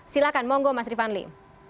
silahkan mohon goh mas rifanli